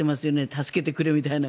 助けてくれみたいな。